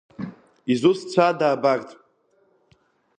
Изусҭцәада абарҭ?